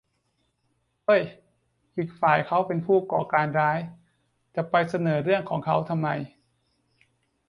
เฮ้ย อีกฝ่ายเขาเป็นผู้ก่อการร้าย จะไปเสนอเรื่องของเขาทำไม ?